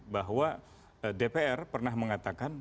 bahwa dpr pernah mengatakan